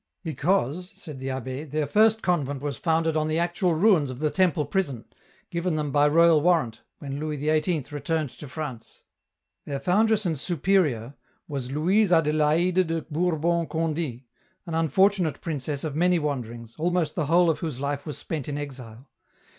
" Because," said the abbd, " their first convent was founded on the actual ruins of the Temple prison, given them by royal warrant, when Louis XVIII. returned to France. " Their foundress and superior was Louise Adelaide de Bourbon Conde', an unfortunate princess of many wanderings, almost the whole of whose life was spent in exile.